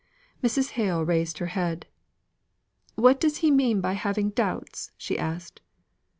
Mrs. Hale raised her head. "What does he mean by having doubts?" she asked.